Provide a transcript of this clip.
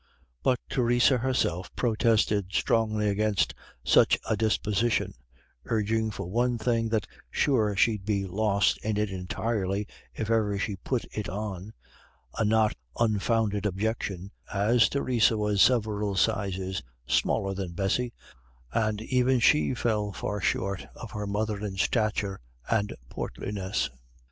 But Theresa herself protested strongly against such a disposition, urging for one thing that sure she'd be lost in it entirely if ever she put it on; a not unfounded objection, as Theresa was several sizes smaller than Bessy, and even she fell far short of her mother in stature and portliness.